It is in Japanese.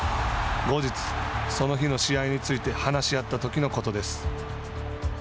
後日、その日の試合について話し合ったときのことです。